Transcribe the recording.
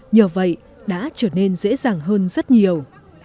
nhờ vậy đã trở nên dễ dàng hơn rất nhiều